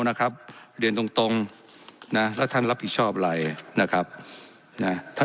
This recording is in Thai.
นะครับเรียนตรงตรงนะแล้วท่านรับผิดชอบอะไรนะครับนะท่าน